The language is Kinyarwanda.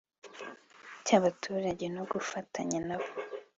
cy abaturage no gufatanya nabo